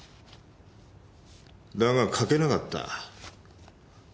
だが書けなかった。